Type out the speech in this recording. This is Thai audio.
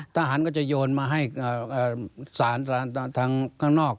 ทหารก็จะโยนมาให้สารทางข้างนอก